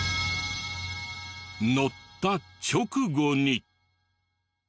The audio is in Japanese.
乗った直後に。